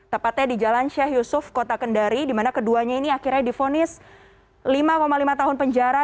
tepatnya di jalan sheikh yusuf kota kendari di mana keduanya ini akhirnya difonis lima lima tahun penjara